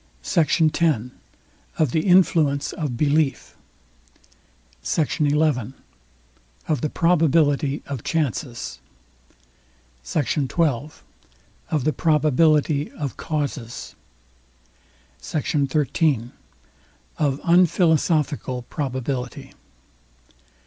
SECT. X. OF THE INFLUENCE OF BELIEF. SECT. XI. OF THE PROBABILITY OF CHANCES. SECT. XII. OF THE PROBABILITY OF CAUSES. SECT. XIII. OF UNPHILOSOPHICAL PROBABILITY.